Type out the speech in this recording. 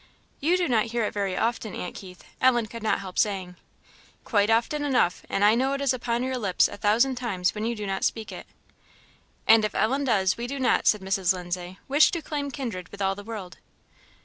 "You do not hear it very often, aunt Keith," Ellen could not help saying. "Quite often enough; and I know it is upon your lips a thousand times when you do not speak it." "And if Ellen does, we do not," said Mrs. Lindsay, "wish to claim kindred with all the world."